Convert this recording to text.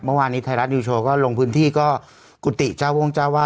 เมื่อวานนี้ไทยรัฐนิวโชว์ก็ลงพื้นที่ก็กุฏิเจ้าวงเจ้าว่า